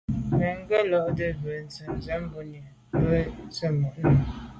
Mə́ ngə́ lódə́ bə̄ zə̄ bū rə̂ mùní ndɛ̂mbə́ bú gə̀ rə̌ tsə̀mô' nù.